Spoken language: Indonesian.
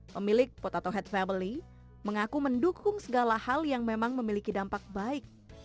pemilik potato head family mengaku mendukung segala hal yang memang memiliki dampak baik